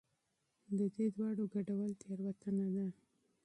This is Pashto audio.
د دې دواړو ګډول تېروتنه ده.